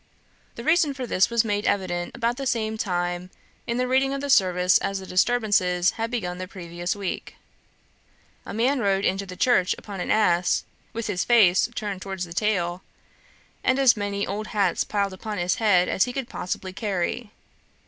The reason for this was made evident about the same time in the reading of the service as the disturbances had begun the previous week. A man rode into the church upon an ass, with his face turned towards the tail, and as many old hats piled on his head as he could possibly carry.